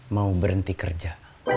mau berhenti kerja